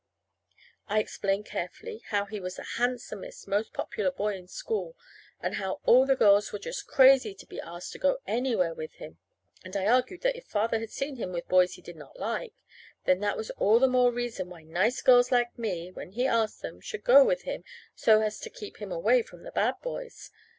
I explained carefully how he was the handsomest, most popular boy in school, and how all the girls were just crazy to be asked to go anywhere with him; and I argued what if Father had seen him with boys he did not like then that was all the more reason why nice girls like me, when he asked them, should go with him, so as to keep him away from the bad boys!